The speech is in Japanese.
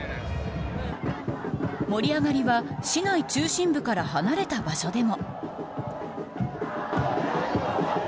盛り上がりは市内中心部から離れた場所でも。